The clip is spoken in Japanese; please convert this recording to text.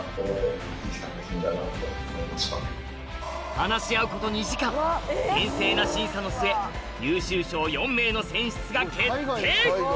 話し合うこと２時間厳正な審査の末優秀賞４名の選出が決定